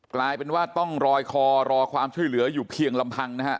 กลายเป็นว่าต้องรอยคอรอความช่วยเหลืออยู่เพียงลำพังนะฮะ